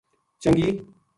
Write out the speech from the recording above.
چنگی